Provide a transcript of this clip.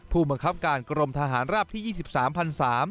ผู้บังคับการกรมทหารราบที่๒๓พัน๓